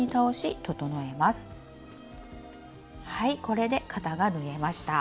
はいこれで肩が縫えました。